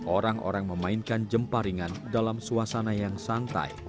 orang orang memainkan jempa ringan dalam suasana yang santai